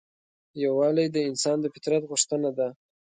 یووالی د انسان د فطرت غوښتنه ده.